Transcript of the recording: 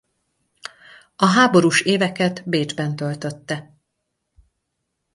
A háborús éveket Bécsben töltötte.